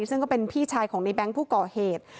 ซึ่งก็เป็นพี่ชายของในแง๊งผู้ก่อเหตุ